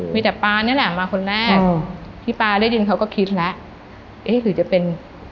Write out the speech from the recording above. มีแต่ป๊านี่แหละมาคนแรกพี่ป๊าได้ยินเขาก็คิดแล้วเอ๊ะหรือจะเป็น